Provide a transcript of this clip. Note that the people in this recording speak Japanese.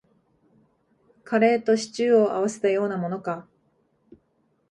カレーとシチューを合わせたようなものか